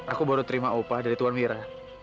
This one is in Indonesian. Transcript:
aku baru terima upah dari tuan wira